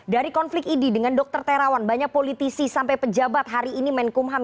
dari konflik idi dengan dokter terawan banyak politisi sampai pejabat hari ini menkumham